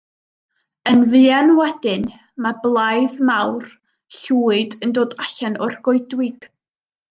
Yn fuan wedyn, mae blaidd mawr, llwyd yn dod allan o'r goedwig.